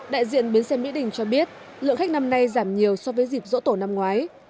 đại diện bến xe mỹ đình cho biết lượng khách năm nay giảm nhiều so với dịp dỗ tổ năm ngoái